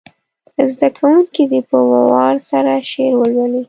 زده کوونکي دې په وار سره شعر ولولي.